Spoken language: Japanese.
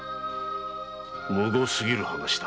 むご過ぎる話だ。